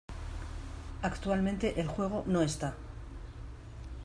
Actualmente el juego no está.